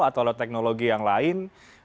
atau teknologi yang lain